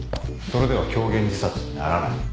それでは狂言自殺にならない。